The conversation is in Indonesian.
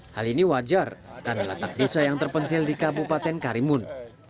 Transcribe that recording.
hal ini wajar karena letak desa yang terpencil di kabupaten karimun